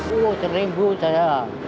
tuh seribu saya